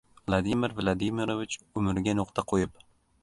Vladimir Vladimirovich umriga nuqta qo‘yib